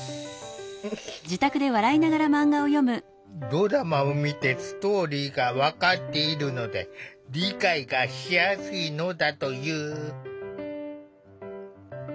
ドラマを見てストーリーが分かっているので理解がしやすいのだという。